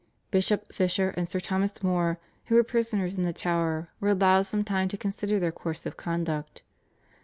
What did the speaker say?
Bishop Fisher and Sir Thomas More, who were prisoners in the Tower, were allowed some time to consider their course of conduct.